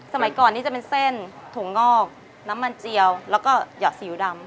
สมัยก่อนนี้จะเป็นเส้นถั่วงอกน้ำมันเจียวแล้วก็หยอดสีอิ๊วดำ